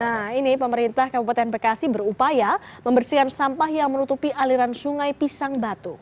nah ini pemerintah kabupaten bekasi berupaya membersihkan sampah yang menutupi aliran sungai pisang batu